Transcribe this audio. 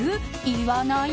言わない？